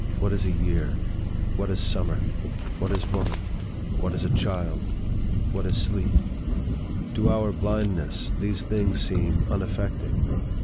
What is a year? What is summer? What is woman? What is a child? What is sleep? To our blindness, these things seem unaffecting.